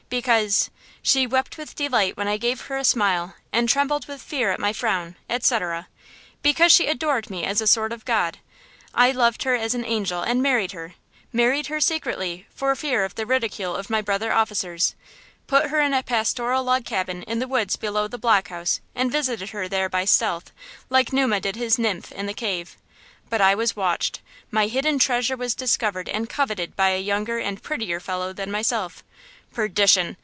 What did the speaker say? because– '"She wept with delight when I gave her a smile, And trembled with fear at my frown,' etc.; because she adored me as a sort of god, I loved her as an angel and married her–married her secretly, for fear of the ridicule of my brother officers, put her in a pastoral log cabin in the woods below the block house and visited her there by stealth, like Numa did his nymph in the cave. But I was watched; my hidden treasure was discovered and coveted by a younger and prettier follow than myself. Perdition!